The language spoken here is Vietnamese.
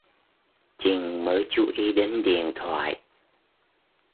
Chinh mới chú ý đến điện thoại